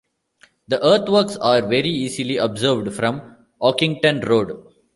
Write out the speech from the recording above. The earthworks are very easily observed from Oakington Road.